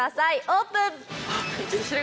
オープン！